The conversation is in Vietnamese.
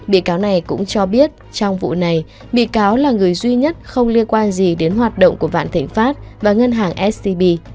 bị cáo này cũng cho biết trong vụ này bị cáo là người duy nhất không liên quan gì đến hoạt động của vạn thịnh pháp và ngân hàng scb